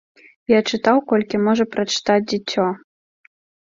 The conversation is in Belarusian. Я чытаў, колькі можа прачытаць дзіцё.